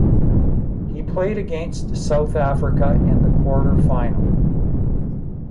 He played against South Africa in the quarter final.